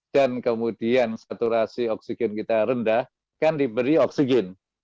dan kemudian saturasi oksigen kita rendah kan diberi oksigen